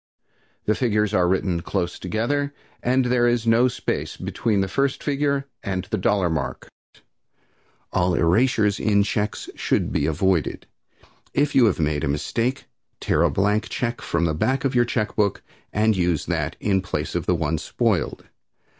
The figures are written close together and there is no space between the first figure and the dollar mark. All erasures in checks should be avoided. If you have made a mistake, tear a blank check from the back of your check book and use that in place of the one spoiled.